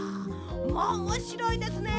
まあおもしろいですね。